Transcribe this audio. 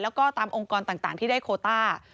แล้วก็ตามองค์กรต่างที่ได้โคต้า